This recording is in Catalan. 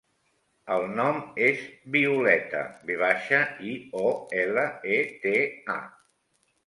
El nom és Violeta: ve baixa, i, o, ela, e, te, a.